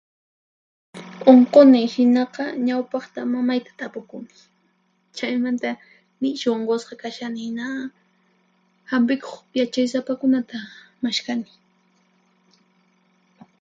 Unquni hinaqa ñawpaqta mamayta tapukuni, chaymanta nishu unqusqa kashani hina hampikuq yachaysapakunata mashkhani.